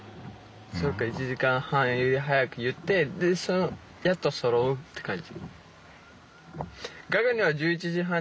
それか１時間半より早く言ってでやっとそろうって感じ。